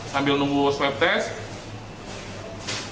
sambil menunggu swab test